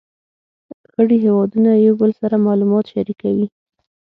غړي هیوادونه یو بل سره معلومات شریکوي